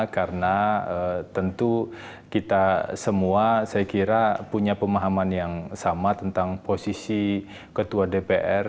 karena tentu kita semua saya kira punya pemahaman yang sama tentang posisi ketua dpr